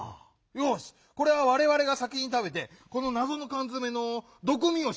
よしこれはわれわれが先にたべてこのなぞのかんづめのどくみをしよう！